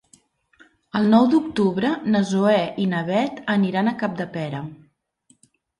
El nou d'octubre na Zoè i na Bet aniran a Capdepera.